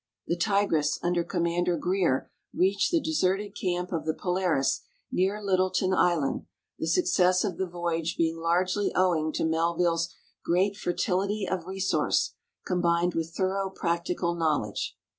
The Tigress, under Commander Greer, reached the deserted camp of the Polaris, near Littleton island, the suc cess of the voyage being largely owing to Melville's " great fer tility of resource, combined with thorough practical knowledge."